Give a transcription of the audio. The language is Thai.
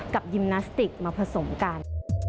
ยิมนาสติกมาผสมกัน